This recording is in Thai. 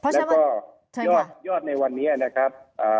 แล้วก็ยอดในวันนี้นะครับ